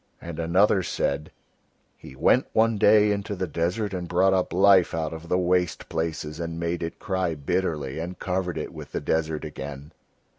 And another said: "He went one day into the desert and brought up life out of the waste places, and made it cry bitterly and covered it with the desert again."